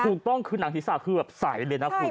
ถูกต้องคือหนังศิษย์ศาสตร์คือแบบใสเลยนะคุณ